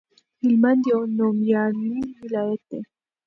هلمند یو نومیالی ولایت دی